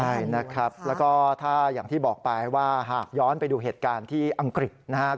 ใช่นะครับแล้วก็ถ้าอย่างที่บอกไปว่าหากย้อนไปดูเหตุการณ์ที่อังกฤษนะครับ